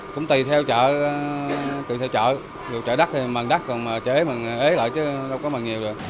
cũng tùy theo chợ tùy theo chợ điều chợ đắt thì bằng đắt còn chợ ế lại chứ đâu có bằng nhiều được